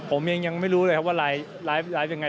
ผมยังไม่รู้เลยว่าไลฟ์ยังไง